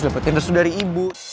dia benar ada disitu